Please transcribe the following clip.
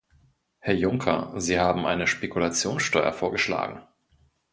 Herr Juncker, Sie haben eine Spekulationssteuer vorgeschlagen.